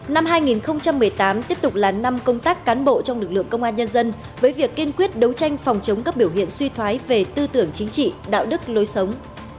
năm hai nghìn một mươi tám tiếp tục là năm công tác cán bộ trong lực lượng công an nhân dân với việc kiên quyết đấu tranh phòng chống các biểu hiện suy thoái về tư tưởng chính trị đạo đức lối sống